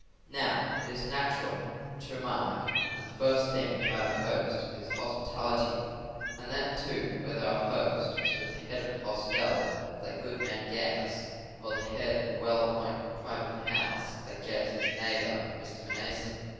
Now, it is natural to remark that the first thing about a host is his hospitality. And that, too, whether our host is but the head of a hostel like Goodman Gaius, or the head of a well appointed private house like Gaius's neighbour, Mr. Mnason.